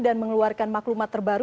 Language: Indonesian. dan mengeluarkan maklumat terbaru